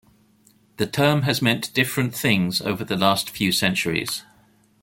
The term has meant different things over the last few centuries.